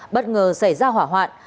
bất ngờ xảy ra hỏa hoạn